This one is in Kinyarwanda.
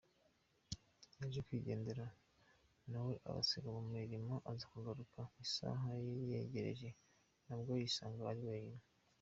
Yaje kwigendera nawe abasiga mu mirimo, aza kugaruka isaha yegereje, nabwo yisanga ari wenyine.